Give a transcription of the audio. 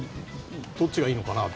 どっちがいいのかなって。